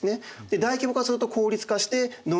大規模化すると効率化して農業生産が増える。